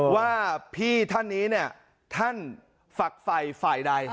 ว่าพี่ท่านนี้เนี่ยท่านฝักไฟฝ่ายใด